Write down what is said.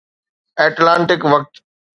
Atlantic وقت